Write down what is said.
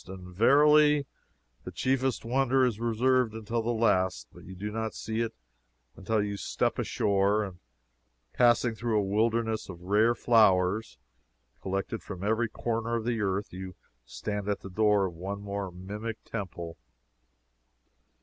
And, verily, the chiefest wonder is reserved until the last, but you do not see it until you step ashore, and passing through a wilderness of rare flowers, collected from every corner of the earth, you stand at the door of one more mimic temple.